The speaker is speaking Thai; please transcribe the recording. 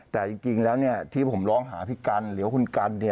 แต่จริงแล้วที่ผมร้องหาพี่กันหรือว่าคุณกัน